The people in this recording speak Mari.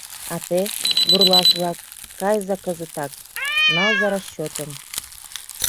А те, бурлак-влак, кайыза кызытак, налза расчётым.